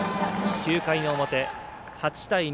９回の表、８対２。